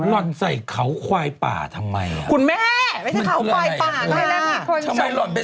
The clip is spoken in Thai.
ร่อนใส่เขาควายป่าทำไม